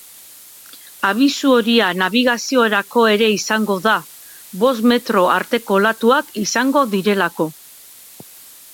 Abisu horia nabigaziorako ere izango da, bost metro arteko olatuak izango direlako.